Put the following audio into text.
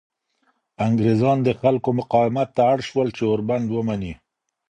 انګریزان د خلکو مقاومت ته اړ شول چې اوربند ومني.